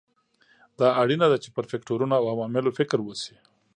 دا اړینه ده چې پر فکټورونو او عواملو فکر وشي.